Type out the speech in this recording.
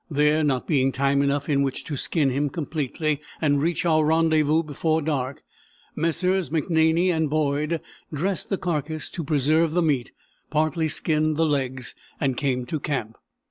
There not being time enough in which to skin him completely and reach our rendezvous before dark, Messrs. McNaney and Boyd dressed the carcass to preserve the meat, partly skinned the legs, and came to camp.